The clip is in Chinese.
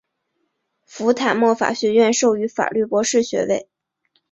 福坦莫法学院授予法律博士学位。